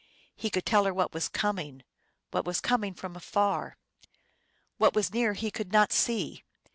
He could tell her what was coming, What was coming from afar. What was near he could not see.